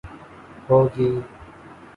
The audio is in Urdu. ہو گی